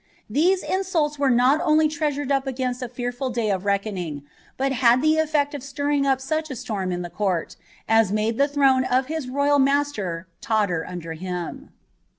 These insults wen not a treasured up against a fearful day of reckonine, but had the tSM stirring up such a storm in the court, as made the throne of hia ro, mister totter under him.